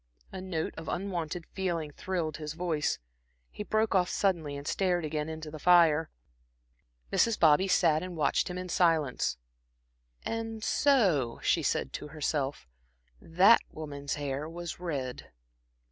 A note of unwonted feeling thrilled his voice. He broke off suddenly and stared again into the fire. Mrs. Bobby sat and watched him in silence. "And so," she said to herself, "that woman's hair was red."